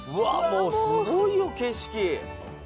もうすごいよ景色。